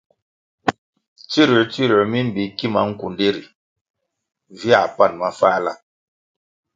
Tsiruer - tsiruer mi mbi kima nkundi ri viãh pan mafáhla.